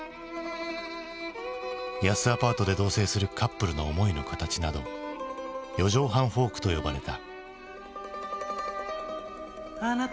安アパートで同せいするカップルの思いの形など「四畳半フォーク」と呼ばれた。